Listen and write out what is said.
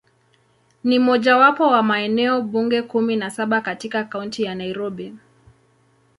Ni mojawapo wa maeneo bunge kumi na saba katika Kaunti ya Nairobi.